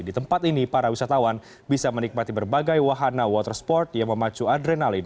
di tempat ini para wisatawan bisa menikmati berbagai wahana water sport yang memacu adrenalin